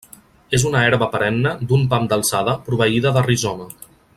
És una herba perenne d'un pam d'alçada proveïda de rizoma.